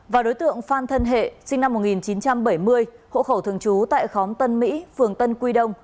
và đối tượng phan thân hệ sinh năm một nghìn chín trăm bảy mươi hộ khẩu thường trú tại khóm tân mỹ phường tân quy đông